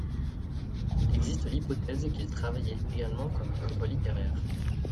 Il existe l'hypothèse qu'il travaillait également comme nègre littéraire.